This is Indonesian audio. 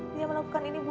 dia melakukan ini buat kamu